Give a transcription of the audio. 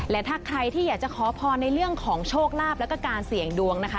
และถ้าใครที่อยากจะขอพรในเรื่องของโชคลาภแล้วก็การเสี่ยงดวงนะคะ